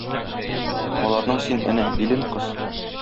Аларның син, әнә, билен кыс.